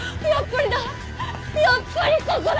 やっぱりだ